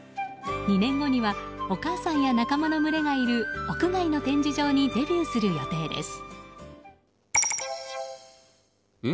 ２年後にはお母さんや仲間の群れがいる屋外の展示場にデビューする予定です。